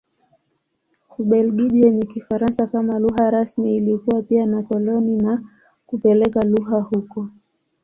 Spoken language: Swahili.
Ubelgiji yenye Kifaransa kama lugha rasmi ilikuwa pia na koloni na kupeleka lugha huko.